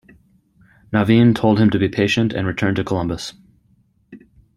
Navin told him to be patient and return to Columbus.